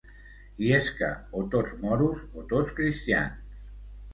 I és que o tots moros o tots cristians.